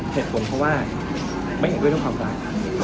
เห็นผมเพราะว่าไม่เห็นด้วยทุกความรัก